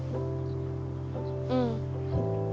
うん。